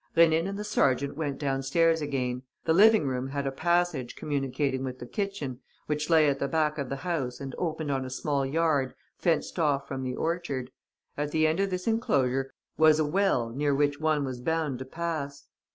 Rénine and the sergeant went downstairs again. The living room had a passage communicating with the kitchen, which lay at the back of the house and opened on a small yard fenced off from the orchard. At the end of this enclosure was a well near which one was bound to pass.